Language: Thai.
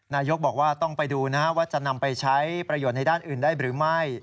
นายกบอกว่าต้องไปดูว่าจะนำไปใช้ประโยชน์ในด้านอื่นได้หรือไม่